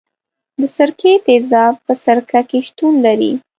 د سرکې تیزاب په سرکه کې شتون لري.